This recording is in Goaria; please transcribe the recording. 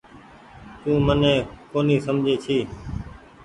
تو مني ڪونيٚ سمجھي ڇي۔